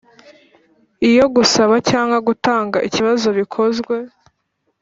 Iyo gusaba cyangwa gutanga ikibazo bikozwe